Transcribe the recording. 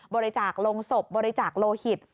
บริจาคลงศพบริจาคโลหิต